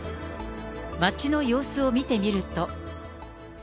街の様子を見てみると。